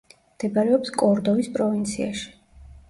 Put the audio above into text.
მდებარეობს კორდოვის პროვინციაში.